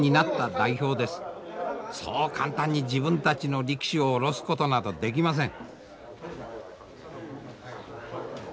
そう簡単に自分たちの力士を降ろすことなどできません。